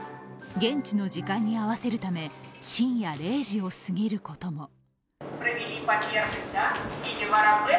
現地の時間に合わせるため深夜０時をすぎることも。